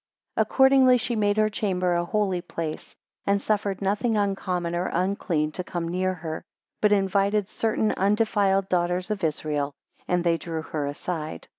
3 Accordingly she made her chamber a holy place, and suffered nothing uncommon or unclean to come near her, but invited certain undefiled daughters of Israel, and they drew her aside.